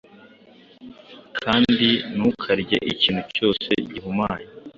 kandi ntukarye ikintu cyose gihumanye,